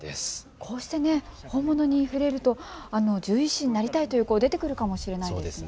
こうして本物に触れると獣医師になりたいという子、出てくるかもしれませんね。